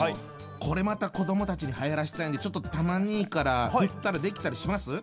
これまた子どもたちにはやらしたいんでちょっとたま兄から振ったらできたりします？